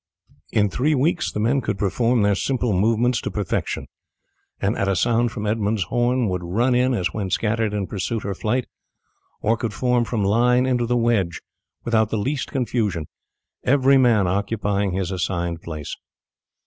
In three weeks the men could perform their simple movements to perfection, and at a sound from Edmund's horn would run in as when scattered in pursuit or flight, or could form from line into the wedge, without the least confusion, every man occupying his assigned place.